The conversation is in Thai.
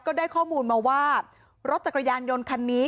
ได้ข้อมูลมาว่ารถจักรยานยนต์คันนี้